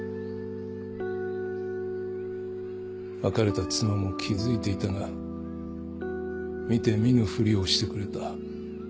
別れた妻も気付いていたが見て見ぬふりをしてくれた。